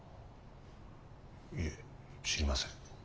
いえ知りません。